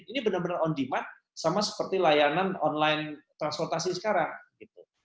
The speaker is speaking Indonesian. ini benar benar on demand sama seperti layanan online transportasi sekarang gitu